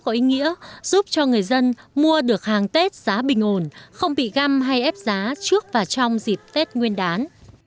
có ý nghĩa giúp cho người dân mua được hàng tết giá bình ổn không bị găm hay ép giá trước và trong dịp tết nguyên đán